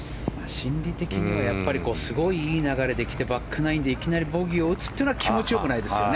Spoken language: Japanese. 心理的にはすごいいい流れで来てバックナインでいきなりボギーを打つというのは気持ちよくないですよね。